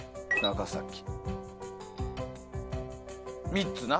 ３つな！